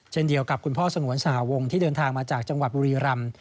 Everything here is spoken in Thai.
เดียวกับคุณพ่อสงวนสหวงที่เดินทางมาจากจังหวัดบุรีรำ